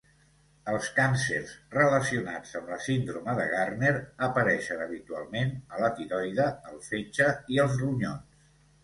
Els càncers relacionats amb la síndrome de Gardner apareixen habitualment a la tiroide, el fetge i els ronyons.